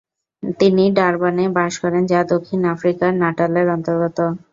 তিমি ডারবানে বাস করেন, যা দক্ষিণ আফ্রিকার নাটালের অন্তর্গত।